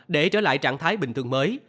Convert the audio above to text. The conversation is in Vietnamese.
để trở lại trạng thái bình thường mới